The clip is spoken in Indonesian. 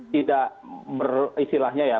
tidak beristilahnya ya